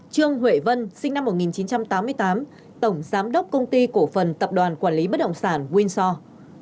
trương huệ vân sinh năm một nghìn chín trăm tám mươi tám tổng giám đốc công ty cổ phần tập đoàn quản lý bất động sản winsore